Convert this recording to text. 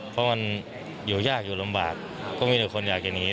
เพราะมันอยู่ยากอยู่ลำบากก็มีแต่คนอยากจะหนี